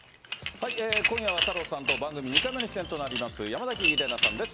今夜は太郎さんと番組２回目の出演となります山崎怜奈さんです。